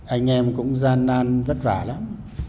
anh em cũng gian nan vất vả lắm